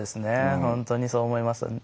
本当にそう思います。